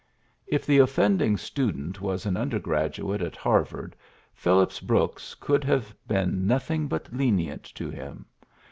If the offending student was an under graduate at Harvard, Phillips Brooks could have been nothing but lenient to him.